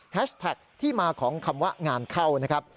แท็กที่มาของคำว่างานเข้านะครับ